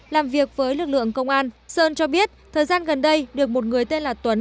làm việc với lực lượng công an sơn cho biết thời gian gần đây được một người tên là tuấn